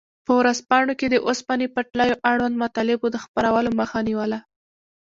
په ورځپاڼو کې د اوسپنې پټلیو اړوند مطالبو د خپرولو مخه نیوله.